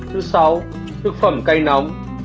thứ sáu thực phẩm cay nóng